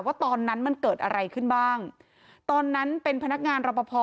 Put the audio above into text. ว่าตอนนั้นมันเกิดอะไรขึ้นบ้างตอนนั้นเป็นพนักงานรับประพอ